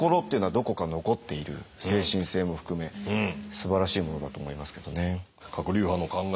すばらしいものだと思いますけどね。